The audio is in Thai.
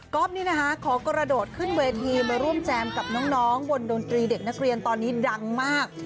ขอกระโดดขึ้นเวทีมาร่วมแจมกับน้องบนดนตรีเด็กนักเรียนตอนนี้ดังมาก